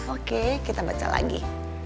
oke kita baca lagi